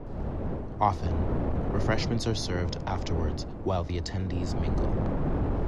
Often, refreshments are served afterwards while the attendees mingle.